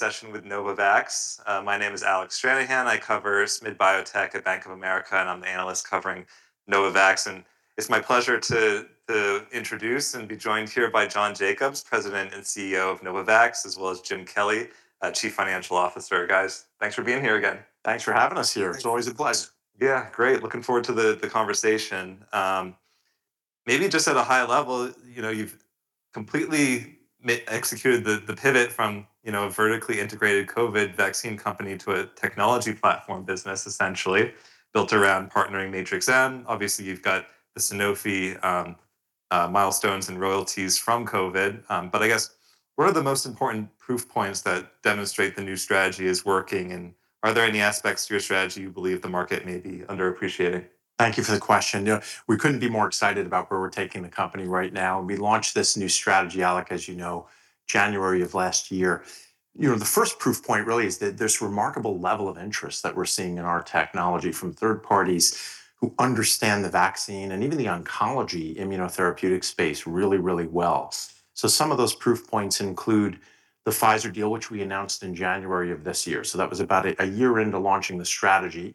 Session with Novavax. My name is Alec Stranahan. I cover SMid biotech at Bank of America, and I'm the analyst covering Novavax. It's my pleasure to introduce and be joined here by John Jacobs, President and Chief Executive Officer of Novavax, as well as Jim Kelly, Chief Financial Officer. Guys, thanks for being here again. Thanks for having us here. Thanks. It's always a pleasure. Yeah, great. Looking forward to the conversation. Maybe just at a high level, you've completely executed the pivot from a vertically integrated COVID vaccine company to a technology platform business essentially built around partnering Matrix-M. Obviously, you've got the Sanofi milestones and royalties from COVID. I guess, what are the most important proof points that demonstrate the new strategy is working, and are there any aspects to your strategy you believe the market may be underappreciating? Thank you for the question. You know, we couldn't be more excited about where we're taking the company right now. We launched this new strategy, Alec, as you know, January of last year. You know, the first proof point really is this remarkable level of interest that we're seeing in our technology from third parties who understand the vaccine and even the oncology immunotherapeutic space really, really well. Some of those proof points include the Pfizer deal, which we announced in January of this year, that was about a year into launching the strategy.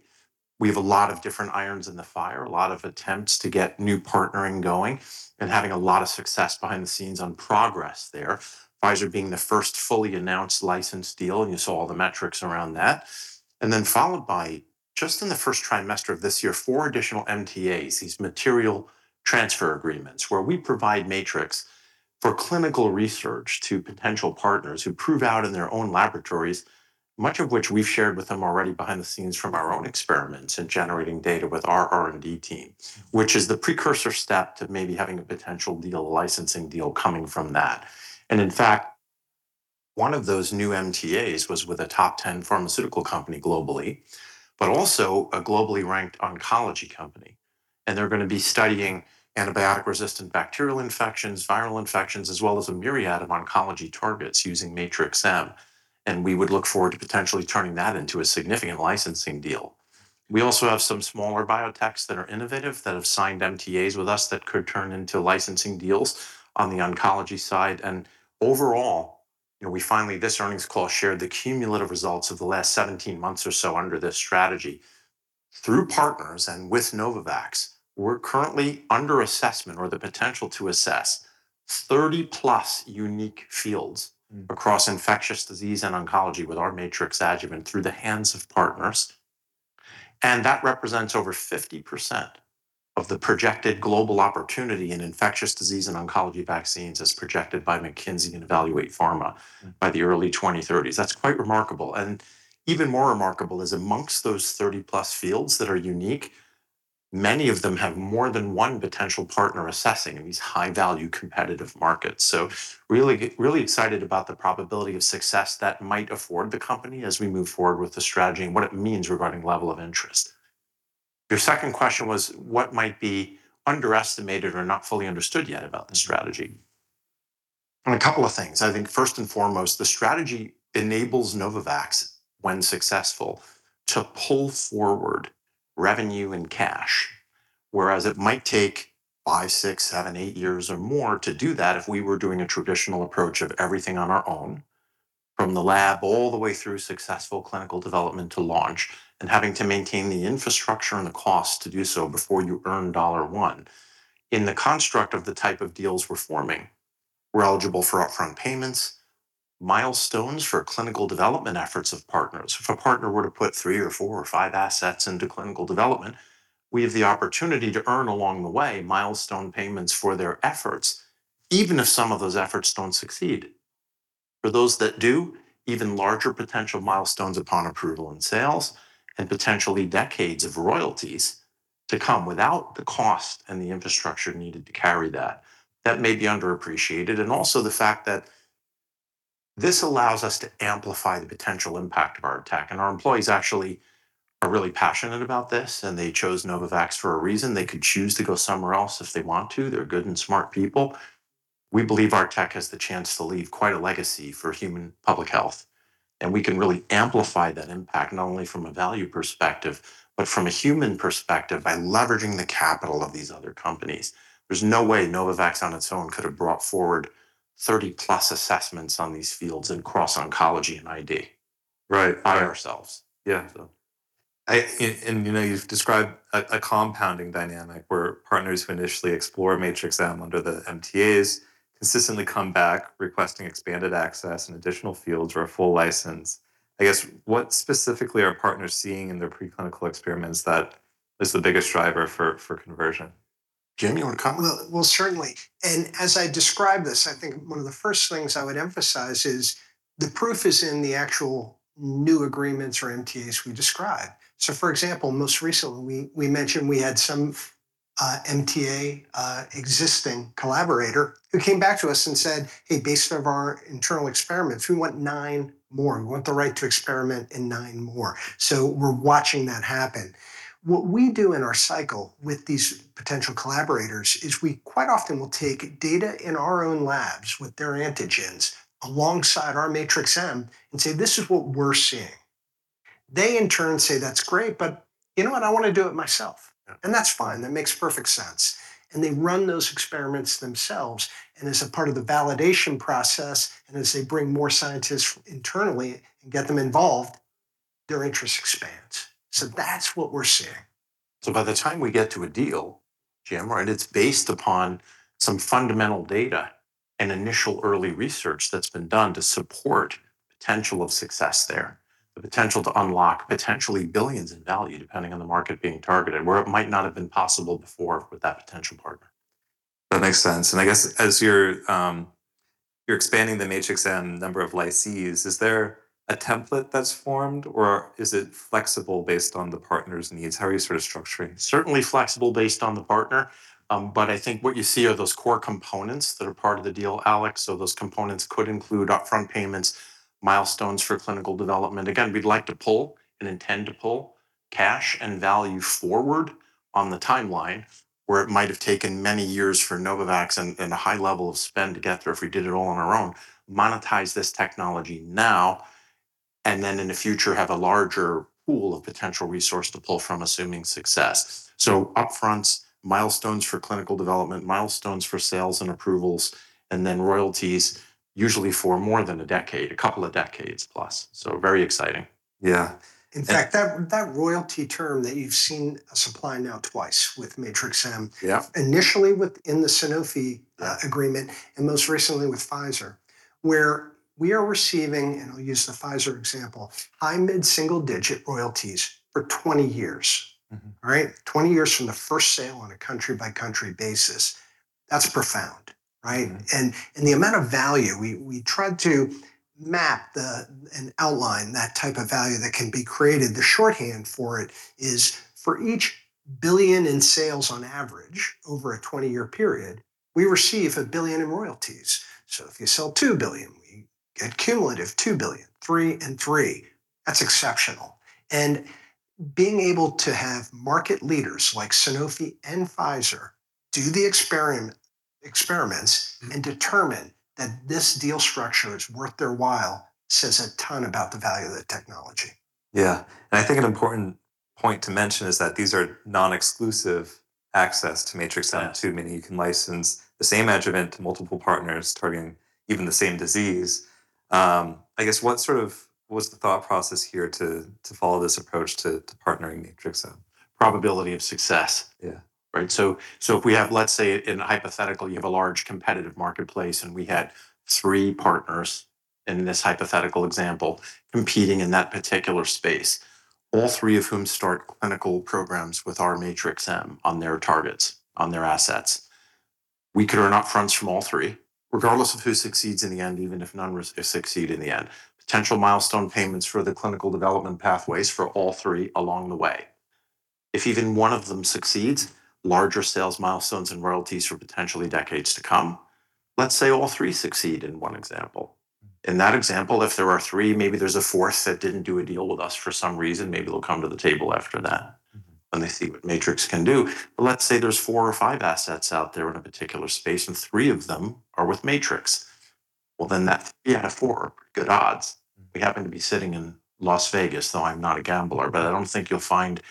We have a lot of different irons in the fire, a lot of attempts to get new partnering going, and having a lot of success behind the scenes on progress there, Pfizer being the first fully announced licensed deal, and you saw all the metrics around that, and then followed by, just in the first trimester of this year, four additional MTAs, these material transfer agreements, where we provide Matrix-M for clinical research to potential partners who prove out in their own laboratories, much of which we've shared with them already behind the scenes from our own experiments in generating data with our R&D team, which is the precursor step to maybe having a potential deal, a licensing deal coming from that. In fact, one of those new MTAs was with a top 10 pharmaceutical company globally, but also a globally ranked oncology company, and they're gonna be studying antibiotic-resistant bacterial infections, viral infections, as well as a myriad of oncology targets using Matrix-M, and we would look forward to potentially turning that into a significant licensing deal. We also have some smaller biotechs that are innovative that have signed MTAs with us that could turn into licensing deals on the oncology side. Overall, you know, we finally, this earnings call, shared the cumulative results of the last 17 months or so under this strategy. Through partners and with Novavax, we're currently under assessment or the potential to assess 30+ unique fields. across infectious disease and oncology with our Matrix-M adjuvant through the hands of partners. That represents over 50% of the projected global opportunity in infectious disease and oncology vaccines as projected by McKinsey & Company and Evaluate Pharma by the early 2030s. That's quite remarkable. Even more remarkable is amongst those 30+ fields that are unique, many of them have more than 1 potential partner assessing in these high-value competitive markets. Really excited about the probability of success that might afford the company as we move forward with the strategy and what it means regarding level of interest. Your second question was what might be underestimated or not fully understood yet about the strategy, and a couple of things. I think, first and foremost, the strategy enables Novavax, when successful, to pull forward revenue and cash, whereas it might take five, six, seven, eight years or more to do that if we were doing a traditional approach of everything on our own, from the lab all the way through successful clinical development to launch, and having to maintain the infrastructure and the cost to do so before you earn $1. In the construct of the type of deals we're forming, we're eligible for upfront payments, milestones for clinical development efforts of partners. If a partner were to put three or four or five assets into clinical development, we have the opportunity to earn along the way milestone payments for their efforts, even if some of those efforts don't succeed. For those that do, even larger potential milestones upon approval and sales, and potentially decades of royalties to come without the cost and the infrastructure needed to carry that. That may be underappreciated, and also the fact that this allows us to amplify the potential impact of our tech, and our employees actually are really passionate about this, and they chose Novavax for a reason. They could choose to go somewhere else if they want to. They're good and smart people. We believe our tech has the chance to leave quite a legacy for human public health, and we can really amplify that impact, not only from a value perspective, but from a human perspective by leveraging the capital of these other companies. There's no way Novavax on its own could have brought forward 30-plus assessments on these fields across oncology and ID. Right. Right. By ourselves. Yeah. I, and, you know, you've described a compounding dynamic where partners who initially explore Matrix-M under the MTAs consistently come back requesting expanded access in additional fields or a full license. I guess, what specifically are partners seeing in their preclinical experiments that is the biggest driver for conversion? Jim, you wanna comment? Well, well, certainly. As I describe this, I think one of the first things I would emphasize is the proof is in the actual new agreements or MTAs we describe. For example, most recently, we mentioned we had some MTA existing collaborator who came back to us and said, "Hey, based on our internal experiments, we want 9 more. We want the right to experiment in 9 more." We're watching that happen. What we do in our cycle with these potential collaborators is we quite often will take data in our own labs with their antigens alongside our Matrix-M and say, "This is what we're seeing." They in turn say, "That's great, you know what? I wanna do it myself. Yeah. That's fine. That makes perfect sense, and they run those experiments themselves, and as a part of the validation process, and as they bring more scientists internally and get them involved, their interest expands. That's what we're seeing. By the time we get to a deal, Jim, right, it's based upon some fundamental data and initial early research that's been done to support potential of success there, the potential to unlock potentially billions in value depending on the market being targeted, where it might not have been possible before with that potential partner. That makes sense. I guess as you're expanding the Matrix-M number of licensees, is there a template that's formed, or is it flexible based on the partner's needs? How are you sort of structuring? Certainly flexible based on the partner, but I think what you see are those core components that are part of the deal, Alec. Those components could include upfront payments, milestones for clinical development. Again, we'd like to pull and intend to pull cash and value forward on the timeline, where it might have taken many years for Novavax and a high level of spend to get there if we did it all on our own, monetize this technology now, and then in the future, have a larger pool of potential resource to pull from, assuming success. Upfronts, milestones for clinical development, milestones for sales and approvals, and then royalties usually for more than a decade, a couple of decades plus, so very exciting. Yeah. In fact, that royalty term that you've seen supply now twice with Matrix-M. Yeah Initially in the Sanofi. Yeah Agreement and most recently with Pfizer, where we are receiving, and I'll use the Pfizer example, high mid-single digit royalties for 20 years. All right? 20 years from the first sale on a country-by-country basis. That's profound, right? The amount of value, we tried to map and outline that type of value that can be created. The shorthand for it is, for each $1 billion in sales on average over a 20-year period, we receive $1 billion in royalties. If you sell $2 billion, we get cumulative $2 billion, $3 and $3. That's exceptional. Being able to have market leaders like Sanofi and Pfizer do the experiments. Determine that this deal structure is worth their while says a ton about the value of that technology. Yeah. I think an important point to mention is that these are non-exclusive access to Matrix M Yeah Meaning you can license the same adjuvant to multiple partners targeting even the same disease. I guess, what sort of was the thought process here to follow this approach to partnering Matrix-M? Probability of success. Yeah. Right. If we have, let's say in a hypothetical, you have a large competitive marketplace, we had 3 partners in this hypothetical example competing in that particular space, all 3 of whom start clinical programs with our Matrix-M on their targets, on their assets. We could earn upfronts from all 3, regardless of who succeeds in the end, even if none succeed in the end. Potential milestone payments for the clinical development pathways for all 3 along the way. If even one of them succeeds, larger sales milestones and royalties for potentially decades to come. Let's say all 3 succeed in one example. In that example, if there are three, maybe there's a fourth that didn't do a deal with us for some reason. Maybe they'll come to the table after that when they see what Matrix can do. Let's say there's 4 or 5 assets out there in a particular space, and 3 of them are with Matrix. Well, Yeah, 4. Good odds. We happen to be sitting in Las Vegas, though I'm not a gambler, but I don't think you'll find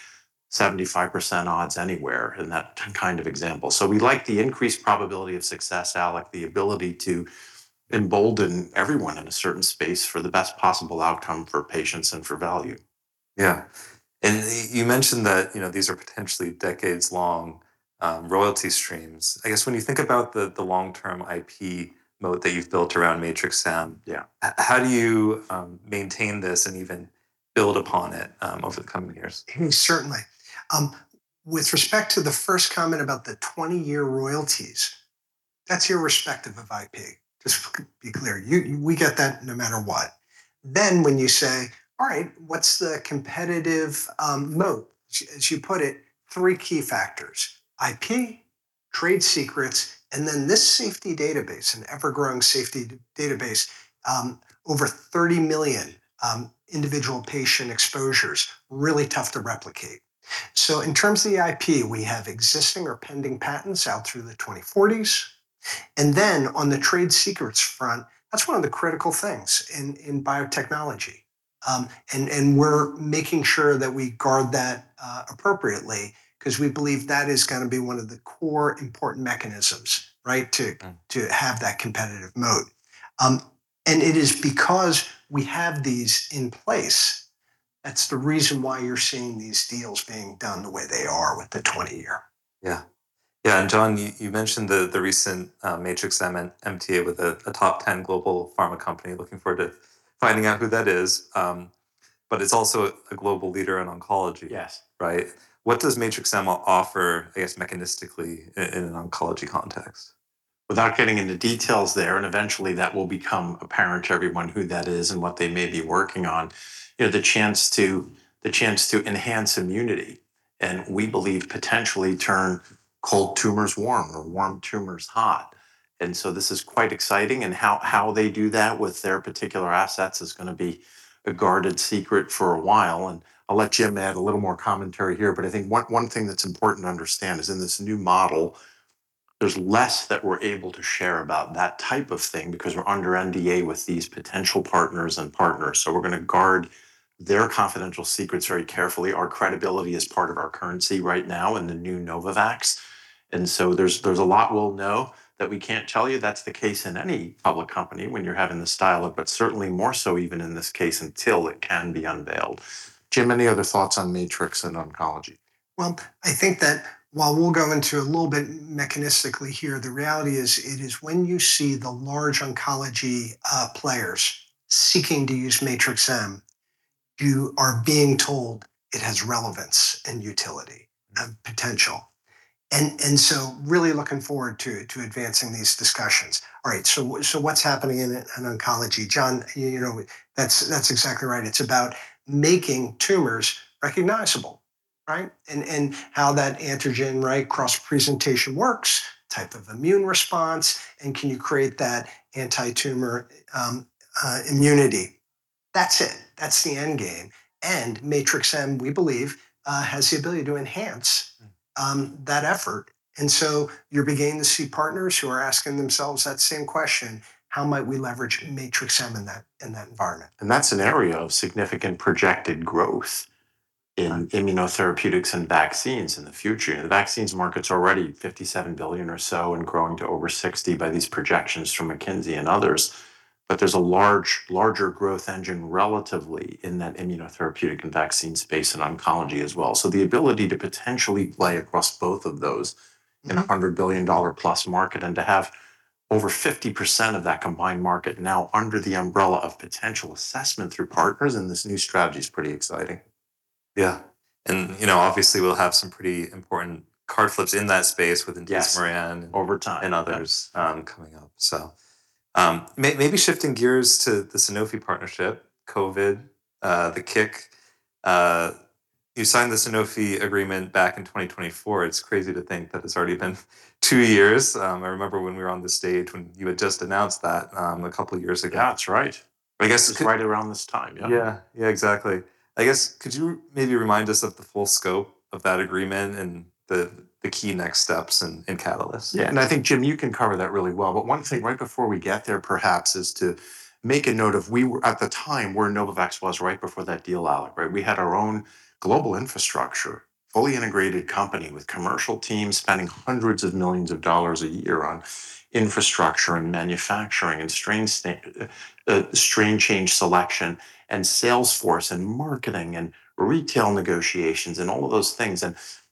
75% odds anywhere in that kind of example. We like the increased probability of success, Alec, the ability to embolden everyone in a certain space for the best possible outcome for patients and for value. Yeah. You mentioned that, you know, these are potentially decades-long royalty streams. I guess when you think about the long-term IP moat that you've built around Matrix-M- Yeah How do you maintain this and even build upon it over the coming years? Certainly. With respect to the first comment about the 20-year royalties, that's irrespective of IP. Just be clear. You, we get that no matter what. When you say, "All right. What's the competitive moat?" As you put it, 3 key factors: IP, trade secrets, and then this safety database, an ever-growing safety database, over 30 million individual patient exposures, really tough to replicate. In terms of the IP, we have existing or pending patents out through the 2040s, and on the trade secrets front, that's one of the critical things in biotechnology. And we're making sure that we guard that appropriately 'cause we believe that is gonna be one of the core important mechanisms. To have that competitive moat. It is because we have these in place, that's the reason why you're seeing these deals being done the way they are with the 20 year. Yeah. John, you mentioned the recent Matrix-M and MTA with a top 10 global pharma company. Looking forward to finding out who that is. It's also a global leader in oncology. Yes. Right? What does Matrix-M offer, I guess, mechanistically in an oncology context? Without getting into details there, eventually that will become apparent to everyone who that is and what they may be working on, you know, the chance to enhance immunity and we believe potentially turn cold tumors warm or warm tumors hot. This is quite exciting, how they do that with their particular assets is going to be a guarded secret for a while. I'll let Jim add a little more commentary here. I think one thing that's important to understand is in this new model. There's less that we're able to share about that type of thing because we're under NDA with these potential partners and partners. We're going to guard their confidential secrets very carefully. Our credibility is part of our currency right now in the new Novavax, and so there's a lot we'll know that we can't tell you. That's the case in any public company when you're having this style of, but certainly more so even in this case until it can be unveiled. Jim, any other thoughts on Matrix in oncology? I think that while we'll go into a little bit mechanistically here, the reality is, it is when you see the large oncology players seeking to use Matrix-M, you are being told it has relevance and utility, potential, and really looking forward to advancing these discussions. All right. What's happening in oncology, John, you know, that's exactly right. It's about making tumors recognizable, right? How that antigen, right, cross presentation works, type of immune response, and can you create that anti-tumor immunity. That's it. That's the end game. Matrix-M, we believe, has the ability to enhance- That effort. You're beginning to see partners who are asking themselves that same question, "How might we leverage Matrix-M in that, in that environment? That's an area of significant projected growth in immunotherapeutics and vaccines in the future. The vaccines market's already $57 billion or so and growing to over 60 by these projections from McKinsey and others. There's a larger growth engine relatively in that immunotherapeutic and vaccine space in oncology as well in a $100 billion plus market, to have over 50% of that combined market now under the umbrella of potential assessment through partners and this new strategy is pretty exciting. Yeah. you know, obviously we'll have some pretty important card flips in that space with Inducmerian- Yes, over time. Others coming up. Shifting gears to the Sanofi partnership, COVID, the kick, you signed the Sanofi agreement back in 2024. It's crazy to think that it's already been two years. I remember when we were on the stage when you had just announced that a couple of years ago. Yeah, that's right. I guess- It was right around this time. Yeah. Yeah. Yeah, exactly. I guess, could you maybe remind us of the full scope of that agreement and the key next steps and catalysts? Yeah. I think, Jim, you can cover that really well, but one thing right before we get there perhaps is to make a note of at the time, where Novavax was right before that deal, Alec, right? We had our own global infrastructure, fully integrated company with commercial teams spending hundreds of millions of dollars a year on infrastructure and manufacturing and strain change selection and sales force and marketing and retail negotiations and all of those things.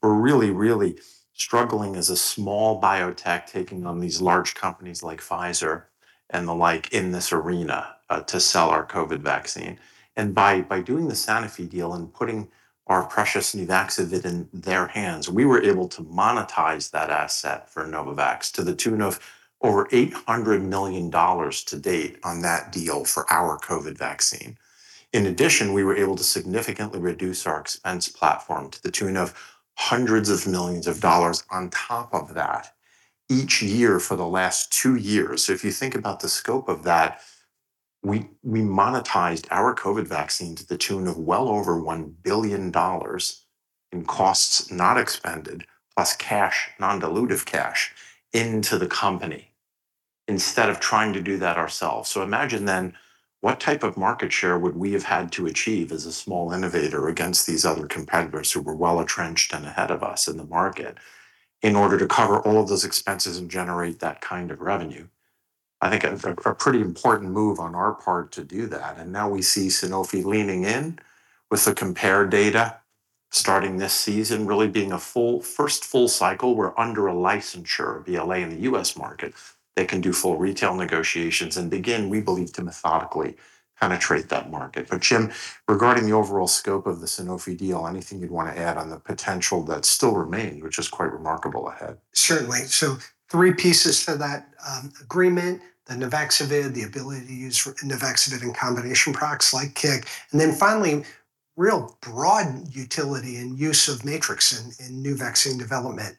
We're really struggling as a small biotech taking on these large companies like Pfizer and the like in this arena to sell our COVID vaccine. By doing the Sanofi deal and putting our precious NUVAXOVID in their hands, we were able to monetize that asset for Novavax to the tune of over $800 million to date on that deal for our COVID vaccine. In addition, we were able to significantly reduce our expense platform to the tune of hundreds of millions of dollars on top of that each year for the last two years. If you think about the scope of that, we monetized our COVID vaccine to the tune of well over $1 billion in costs not expended, plus cash, non-dilutive cash, into the company instead of trying to do that ourselves. Imagine then, what type of market share would we have had to achieve as a small innovator against these other competitors who were well-entrenched and ahead of us in the market in order to cover all of those expenses and generate that kind of revenue. I think a pretty important move on our part to do that, and now we see Sanofi leaning in with the COMPARE data starting this season, really being a full, first full cycle. We're under a licensure of BLA in the U.S. market. They can do full retail negotiations and begin, we believe, to methodically penetrate that market. Jim, regarding the overall scope of the Sanofi deal, anything you'd want to add on the potential that still remains, which is quite remarkable ahead? Certainly. Three pieces to that agreement, the NUVAXOVID, the ability to use NUVAXOVID in combination products like CIC, and then finally, real broad utility and use of Matrix in new vaccine development.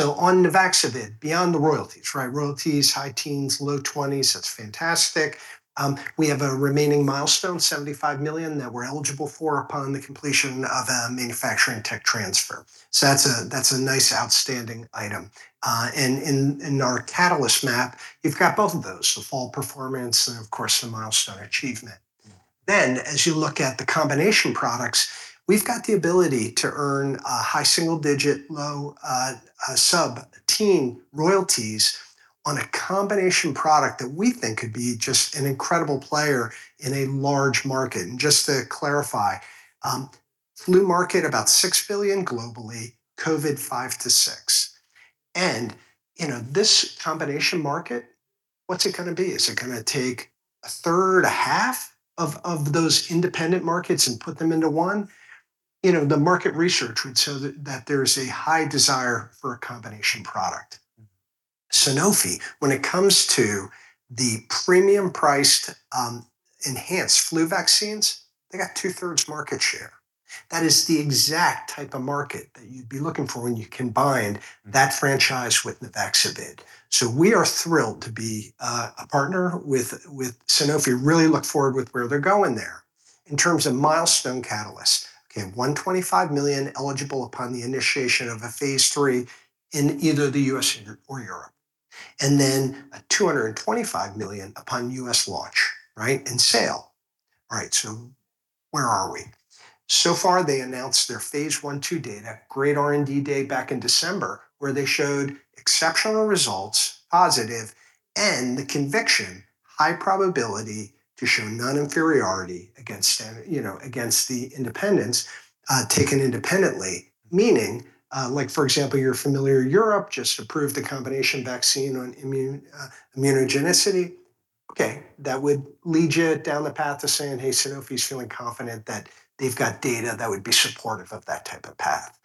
On NUVAXOVID, beyond the royalties, right, royalties, high teens, low 20s, that's fantastic. We have a remaining milestone, $75 million, that we're eligible for upon the completion of a manufacturing tech transfer. That's a nice outstanding item. In our catalyst map, you've got both of those, the fall performance and of course the milestone achievement. As you look at the combination products, we've got the ability to earn a high single digit, low, sub-teen royalties on a combination product that we think could be just an incredible player in a large market. Just to clarify, flu market about $6 billion globally, COVID, $5-6 billion. You know, this combination market, what's it gonna be? Is it gonna take a third, a half of those independent markets and put them into one? You know, the market research would show that there is a high desire for a combination product. Sanofi, when it comes to the premium priced, enhanced flu vaccines, they got 2/3 market share. That is the exact type of market that you'd be looking for when you combine that franchise with Nuvaxovid. We are thrilled to be a partner with Sanofi. Really look forward with where they're going there. In terms of milestone catalysts, okay, $125 million eligible upon the initiation of a phase III in either the U.S. or Europe, and then a $225 million upon U.S. launch, right, and sale. All right, where are we? So far they announced their phase I, II data, great R&D day back in December, where they showed exceptional results, positive, and the conviction, high probability to show non-inferiority against, you know, against the independents, taken independently. Meaning, like for example, you're familiar Europe just approved the combination vaccine on immune immunogenicity. Okay, that would lead you down the path to saying, "Hey, Sanofi's feeling confident that they've got data that would be supportive of that type of path."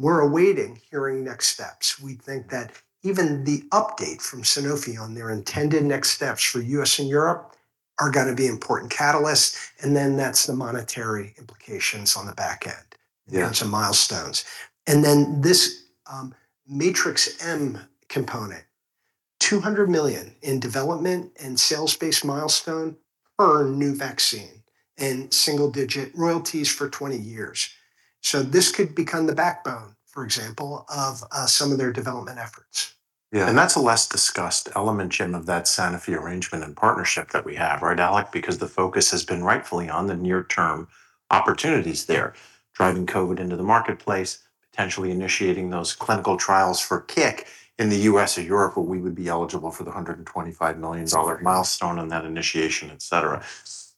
We're awaiting hearing next steps. We think that even the update from Sanofi on their intended next steps for U.S. and Europe are gonna be important catalysts, and then that's the monetary implications on the back end. Yeah. In terms of milestones. This Matrix-M component, $200 million in development and sales-based milestone per new vaccine, and single-digit royalties for 20 years. This could become the backbone, for example, of some of their development efforts. Yeah. That's a less discussed element, Jim, of that Sanofi arrangement and partnership that we have, right, Alec? The focus has been rightfully on the near term opportunities there, driving COVID into the marketplace, potentially initiating those clinical trials for CIC in the U.S. or Europe where we would be eligible for the $125 million milestone on that initiation, et cetera.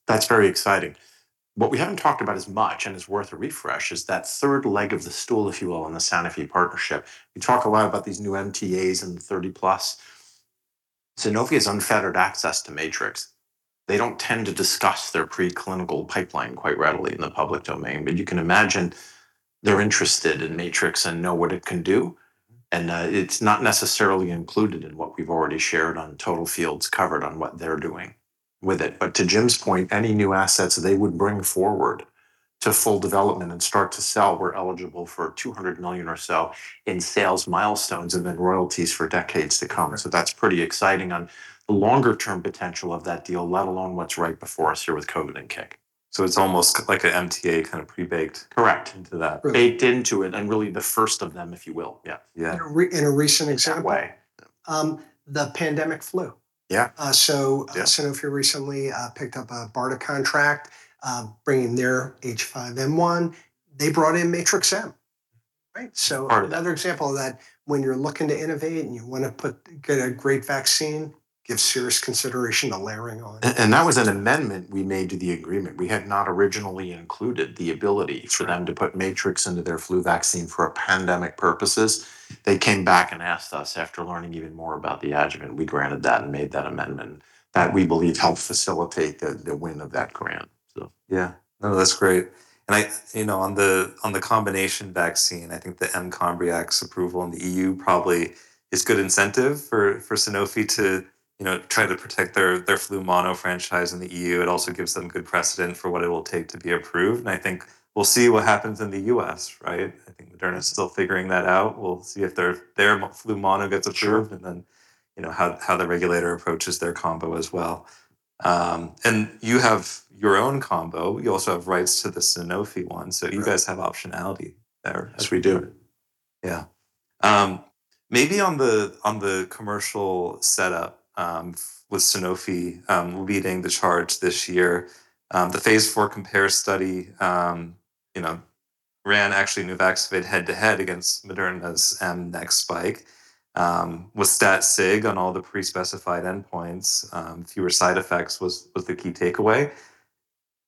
That's very exciting. What we haven't talked about as much, and is worth a refresh, is that third leg of the stool, if you will, in the Sanofi partnership. We talk a lot about these new MTAs and the 30+. Sanofi has unfettered access to Matrix-M. They don't tend to discuss their pre-clinical pipeline quite readily in the public domain, but you can imagine they're interested in Matrix-M and know what it can do, and it's not necessarily included in what we've already shared on total fields covered on what they're doing with it. To Jim's point, any new assets they would bring forward to full development and start to sell were eligible for $200 million or so in sales milestones and then royalties for decades to come. That's pretty exciting on the longer term potential of that deal, let alone what's right before us here with COVID and CIC. it's almost like a MTA kind of. Correct Into that. Right. Baked into it, and really the first of them, if you will. Yeah. Yeah. In a recent example. Exactly The pandemic flu. Yeah. Uh, so- Yeah Sanofi recently picked up a BARDA contract, bringing their H5N1. They brought in Matrix-M, right? Part of it. another example of that, when you're looking to innovate and you want to get a great vaccine, give serious consideration to layering on- That was an amendment we made to the agreement. We had not originally included the ability. Sure For them to put Matrix into their flu vaccine for a pandemic purposes. They came back and asked us after learning even more about the adjuvant. We granted that and made that amendment, that we believe helped facilitate the win of that grant, so. Yeah. No, that's great. I you know, on the, on the combination vaccine, I think the Ncomvax approval in the EU probably is good incentive for Sanofi to, you know, try to protect their flu mono franchise in the EU. It also gives them good precedent for what it will take to be approved. I think we'll see what happens in the U.S., right? I think Moderna's still figuring that out. We'll see if their flu mono gets approved. Sure You know, how the regulator approaches their combo as well. You have your own combo. You also have rights to the Sanofi one. Right You guys have optionality there. Yes, we do. Maybe on the commercial setup, with Sanofi leading the charge this year, the phase IV COMPARE study, you know, ran actually Nuvaxovid head-to-head against Moderna's mNEXSPIKE. With stat sig on all the pre-specified endpoints, fewer side effects was the key takeaway.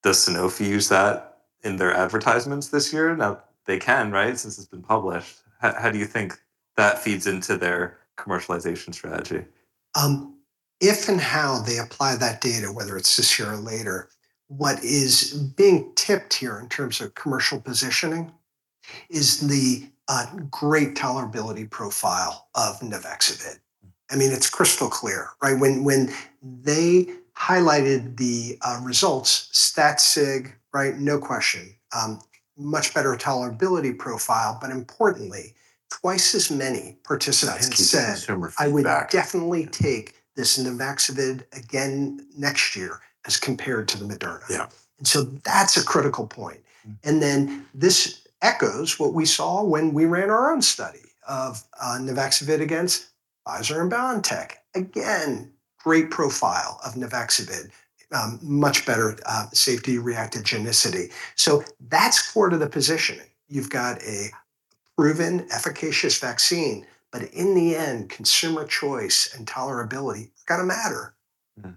Does Sanofi use that in their advertisements this year? Now, they can, right, since it's been published. How do you think that feeds into their commercialization strategy? If and how they apply that data, whether it's this year or later, what is being tipped here in terms of commercial positioning is the great tolerability profile of Nuvaxovid. I mean, it's crystal clear, right? When they highlighted the results, stat sig, right, no question. Much better tolerability profile, but importantly, twice as many participants said. That's key, consumer feedback. I would definitely take this NUVAXOVID again next year," as compared to the Moderna. Yeah. That's a critical point. This echoes what we saw when we ran our own study of NUVAXOVID against Pfizer and BioNTech. Again, great profile of NUVAXOVID. Much better safety reactogenicity. That's core to the positioning. You've got a proven efficacious vaccine, but in the end, consumer choice and tolerability gotta matter. Mm-hmm.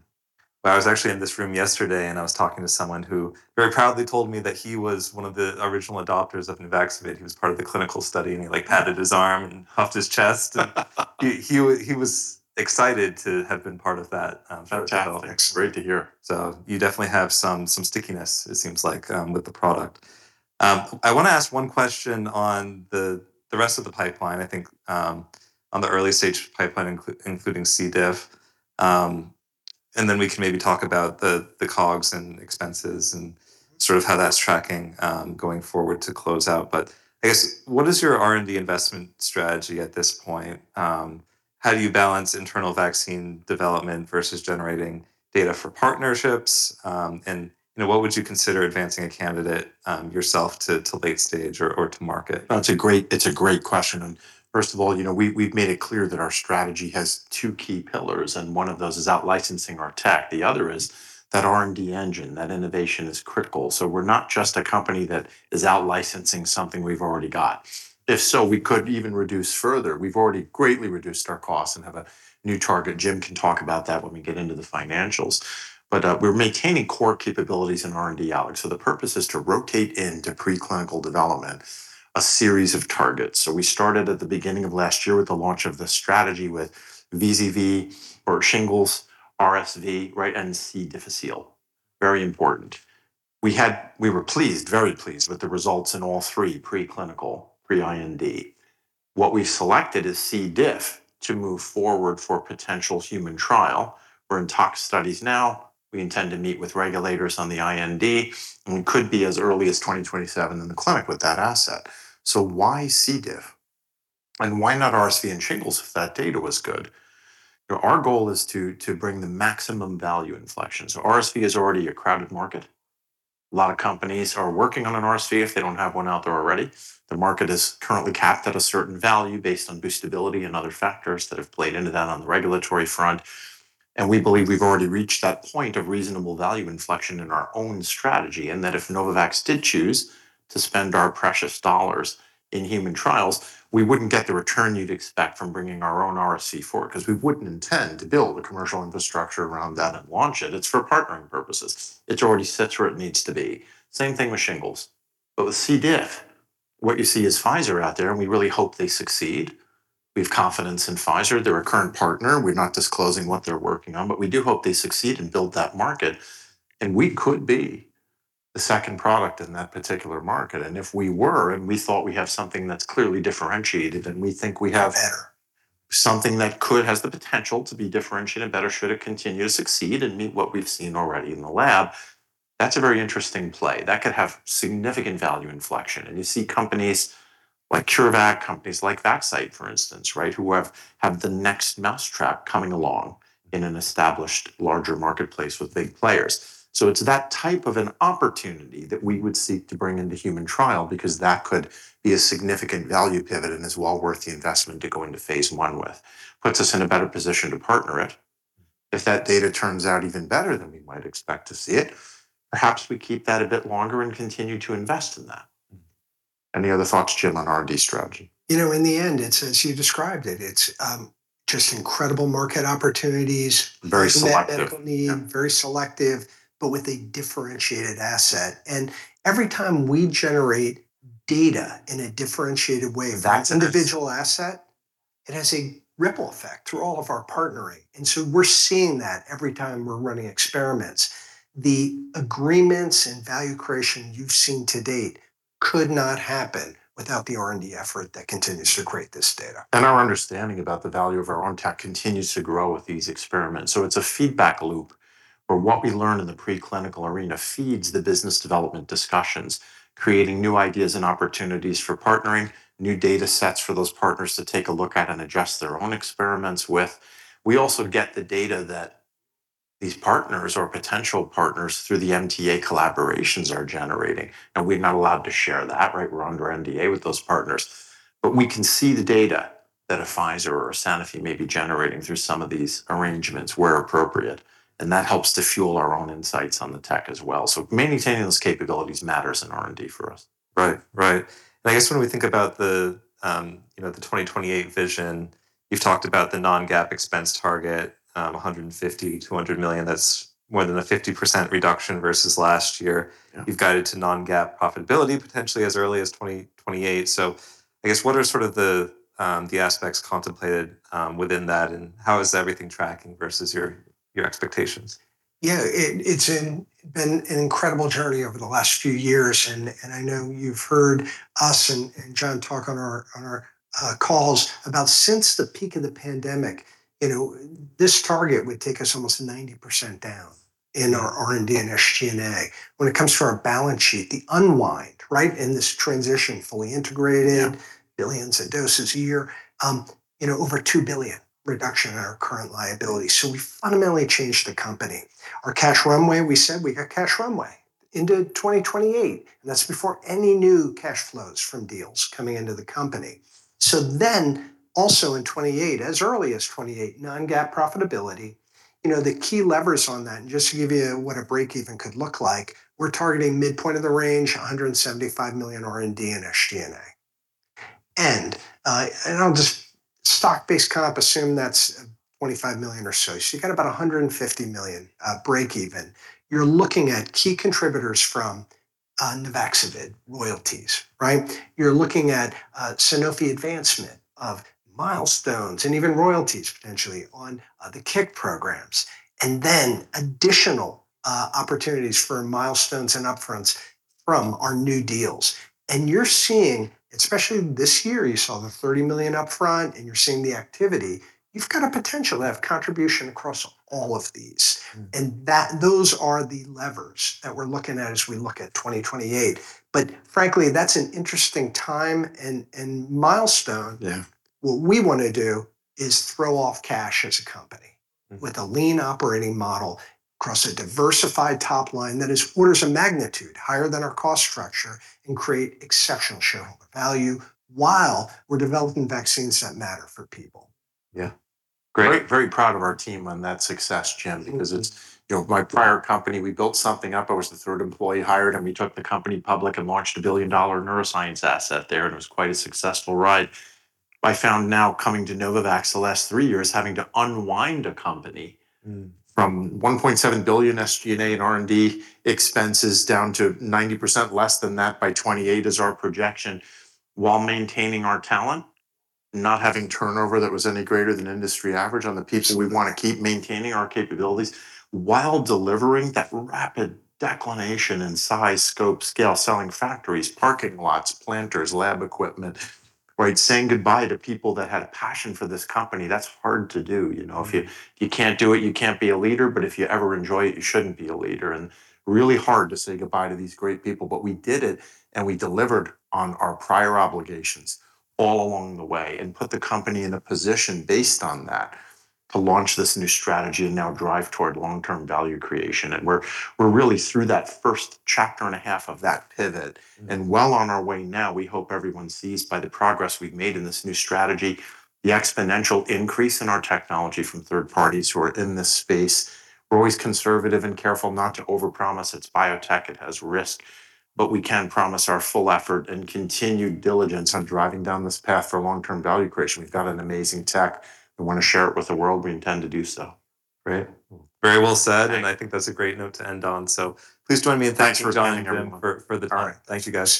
Well, I was actually in this room yesterday, and I was talking to someone who very proudly told me that he was one of the original adopters of NUVAXOVID. He was part of the clinical study, and he, like, patted his arm and puffed his chest. He was excited to have been part of that clinical trial. Fantastic. Great to hear. You definitely have some stickiness it seems like with the product. I wanna ask one question on the rest of the pipeline, I think, on the early stage pipeline including C. diff, then we can maybe talk about the cogs and expenses and Sort of how that's tracking, going forward to close out. I guess what is your R&D investment strategy at this point? How do you balance internal vaccine development versus generating data for partnerships? You know, what would you consider advancing a candidate yourself to late stage or to market? That's a great, it's a great question. First of all, you know, we've made it clear that our strategy has 2 key pillars, and one of those is out-licensing our tech. The other is that R&D engine, that innovation is critical. We're not just a company that is out-licensing something we've already got. If so, we could even reduce further. We've already greatly reduced our costs and have a new target. Jim can talk about that when we get into the financials. We're maintaining core capabilities in R&D, Alec. The purpose is to rotate into preclinical development a series of targets. We started at the beginning of last year with the launch of the strategy with VZV or shingles, RSV, right, and C. difficile. Very important. We were pleased, very pleased with the results in all 3 preclinical pre-IND. What we selected is C. diff to move forward for potential human trial. We're in tox studies now. We intend to meet with regulators on the IND. We could be as early as 2027 in the clinic with that asset. Why C. diff? Why not RSV and shingles if that data was good? You know, our goal is to bring the maximum value inflection. RSV is already a crowded market. A lot of companies are working on an RSV if they don't have one out there already. The market is currently capped at a certain value based on boostability and other factors that have played into that on the regulatory front. We believe we've already reached that point of reasonable value inflection in our own strategy, and that if Novavax did choose to spend our precious dollars in human trials, we wouldn't get the return you'd expect from bringing our own RSV forward, cause we wouldn't intend to build the commercial infrastructure around that and launch it. It's for partnering purposes. It's already sits where it needs to be. Same thing with shingles. With C. diff, what you see is Pfizer out there, and we really hope they succeed. We have confidence in Pfizer. They're a current partner. We're not disclosing what they're working on, but we do hope they succeed and build that market, and we could be the second product in that particular market. If we were, and we thought we have something that's clearly differentiated. Better Something that has the potential to be differentiated better should it continue to succeed and meet what we've seen already in the lab, that's a very interesting play. That could have significant value inflection. You see companies like CureVac, companies like Vaxcyte, for instance, right, who have the next mousetrap coming along in an established larger marketplace with big players. It's that type of an opportunity that we would seek to bring into human trial because that could be a significant value pivot and is well worth the investment to go into phase I with. Puts us in a better position to partner it. If that data turns out even better than we might expect to see it, perhaps we keep that a bit longer and continue to invest in that. Any other thoughts, Jim, on R&D strategy? You know, in the end, it's as you described it. It's just incredible market opportunities. Very selective. Big medical need. Very selective, but with a differentiated asset. Every time we generate data in a differentiated way. That's it. For an individual asset, it has a ripple effect through all of our partnering. We're seeing that every time we're running experiments. The agreements and value creation you've seen to date could not happen without the R&D effort that continues to create this data. Our understanding about the value of our own tech continues to grow with these experiments. It's a feedback loop where what we learn in the preclinical arena feeds the business development discussions, creating new ideas and opportunities for partnering, new data sets for those partners to take a look at and adjust their own experiments with. We also get the data that these partners or potential partners through the MTA collaborations are generating. Now, we're not allowed to share that, right? We're under NDA with those partners. We can see the data that a Pfizer or a Sanofi may be generating through some of these arrangements where appropriate. That helps to fuel our own insights on the tech as well. Maintaining those capabilities matters in R&D for us. Right. Right. I guess when we think about the, you know, the 2028 vision, you've talked about the non-GAAP expense target, $150 million-$200 million. That's more than a 50% reduction versus last year. Yeah. You've guided to non-GAAP profitability potentially as early as 2028. I guess what are sort of the aspects contemplated, within that, and how is everything tracking versus your expectations? Yeah. It's been an incredible journey over the last few years and I know you've heard us and John talk on our calls about since the peak of the pandemic, you know, this target would take us almost 90% down in our R&D and SG&A. When it comes to our balance sheet, the unwind, right, in this transition, fully integrated. Billions of doses a year, you know, over $2 billion reduction in our current liability. We fundamentally changed the company. Our cash runway, we said we got cash runway into 2028, and that's before any new cash flows from deals coming into the company. Also in 2028, as early as 2028, non-GAAP profitability, you know, the key levers on that, and just to give you what a break even could look like, we're targeting midpoint of the range, $175 million R&D and SG&A. I'll just stock-based comp assume that's $25 million or so. You got about $150 million break even. You're looking at key contributors from Nuvaxovid royalties, right? You're looking at, Sanofi advancement of milestones and even royalties potentially on, the CIC programs, and then additional opportunities for milestones and upfronts. From our new deals. You're seeing, especially this year, you saw the $30 million up front, and you're seeing the activity. You've got a potential to have contribution across all of these. Those are the levers that we're looking at as we look at 2028. Frankly, that's an interesting time and milestone. Yeah. What we wanna do is throw off cash as a company. With a lean operating model across a diversified top line that is orders of magnitude higher than our cost structure, and create exceptional shareholder value while we're developing vaccines that matter for people. Yeah. Great. Very proud of our team on that success, Jim. Because it's, you know, my prior company, we built something up. I was the third employee hired, and we took the company public and launched a billion-dollar neuroscience asset there, and it was quite a successful ride. I found now coming to Novavax the last three years, having to unwind a company. From $1.7 billion SG&A and R&D expenses down to 90% less than that by 2028 is our projection, while maintaining our talent, not having turnover that was any greater than industry average on the people we wanna keep maintaining our capabilities, while delivering that rapid declination in size, scope, scale, selling factories, parking lots, planters, lab equipment, right? Saying goodbye to people that had a passion for this company, that's hard to do, you know? If you can't do it, you can't be a leader, but if you ever enjoy it, you shouldn't be a leader. Really hard to say goodbye to these great people. We did it. We delivered on our prior obligations all along the way. We put the company in a position based on that to launch this new strategy and now drive toward long-term value creation. We're really through that first chapter and a half of that pivot. Well on our way now. We hope everyone sees by the progress we've made in this new strategy the exponential increase in our technology from third parties who are in this space. We're always conservative and careful not to overpromise. It's biotech, it has risk, but we can promise our full effort and continued diligence on driving down this path for long-term value creation. We've got an amazing tech. We wanna share it with the world. We intend to do so. Right? Very well said. Thanks I think that's a great note to end on. Please join me in thanking. Thanks for joining everyone. Jim for the time. All right. Thanks, you guys.